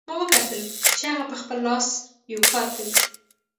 ما وکتل چې هغه په خپل لاس یو کار کوي